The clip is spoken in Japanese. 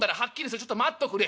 ちょっと待っとくれ。